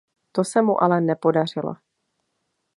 To se mu ale nepodařilo.